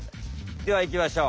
ではいきましょう。